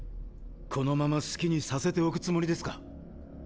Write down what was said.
このまま好きにさせておくつもりですか？